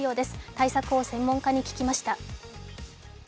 対策を専門家に聞きました。